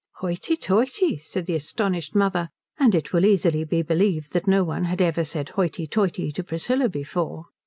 "Hoity toity," said the astonished mother; and it will easily be believed that no one had ever said hoity toity to Priscilla before.